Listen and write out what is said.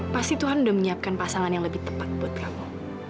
pasti tuhan sudah menyiapkan pasangan yang lebih tepat buat kamu